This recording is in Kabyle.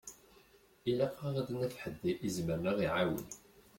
Ilaq-aɣ ad d-naf ḥedd i izemren ad ɣ-iɛawen.